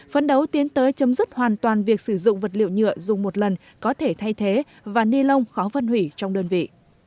phấn đấu tiến tới chấm dứt hoàn toàn việc sử dụng vật liệu nhựa dùng một lần có thể thay thế và ni lông khó phân hủy trong đơn vị